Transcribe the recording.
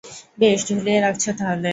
বেশ, ঝুলিয়ে রাখছ তাহলে।